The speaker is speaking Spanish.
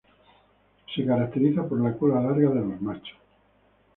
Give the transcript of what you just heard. Se caracteriza por la cola larga de los machos.